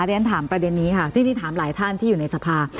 เรียนถามประเด็นนี้ค่ะจริงถามหลายท่านที่อยู่ในสภา